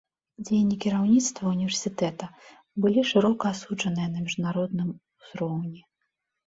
Дзеянні кіраўніцтва ўніверсітэта былі шырока асуджаныя на міжнародным узроўні.